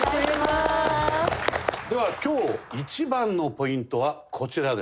では今日一番のポイントはこちらです。